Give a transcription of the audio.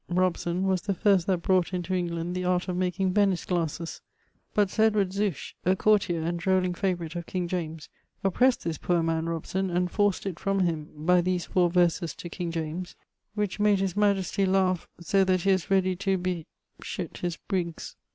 Robson was the first that brought into England the art of making Venice glasses, but Sir Edward Zouche (a courtier and drolling favourite of King James) oppressed this poor man Robson, and forc't it from him, by these 4 verses to King James, which made his majestie laugh so that he was ready to bes his briggs.